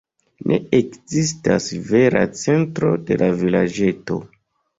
Ne ekzistas vera centro de la vilaĝeto.